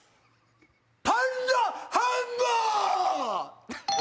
パンナハンマー！